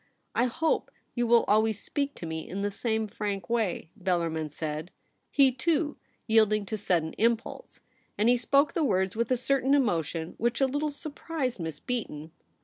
' I hope you will always speak to me in the same frank way,' Bellarmin said, he, too, yielding to sudden impulse ; and he spoke the words with a certain emotion which a little surprised Miss Beaton.